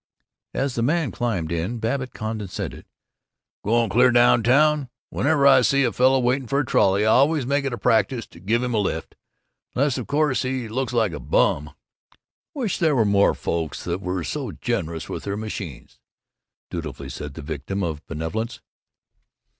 As the man climbed in Babbitt condescended, "Going clear down town? Whenever I see a fellow waiting for a trolley, I always make it a practice to give him a lift unless, of course, he looks like a bum." "Wish there were more folks that were so generous with their machines," dutifully said the victim of benevolence.